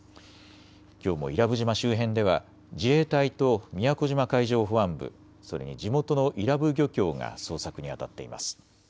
きょうも伊良部島周辺では自衛隊と宮古島海上保安部、それに地元の伊良部漁協が捜索にあたっています。